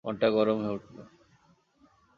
মনটা গরম হয়ে উঠল।